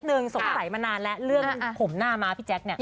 สงสัยมานานแล้วเรื่องผมหน้าม้าพี่แจ๊คเนี่ย